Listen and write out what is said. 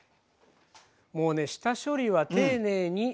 もうね下処理は丁寧に。